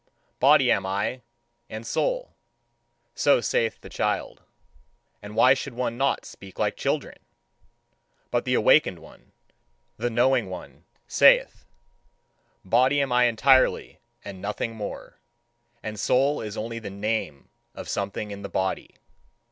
"Body am I, and soul" so saith the child. And why should one not speak like children? But the awakened one, the knowing one, saith: "Body am I entirely, and nothing more; and soul is only the name of something in the body."